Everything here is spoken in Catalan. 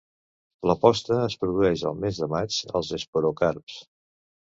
La posta es produeix al mes de maig als esporocarps.